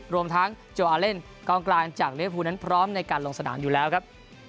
รวมทั้งโจอาเล่นกองกลางจากลิเวฟูนั้นพร้อมในการลงสนามอยู่แล้วครับ